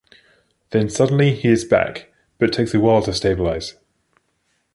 Then suddenly he is back, but takes a while to stabilise.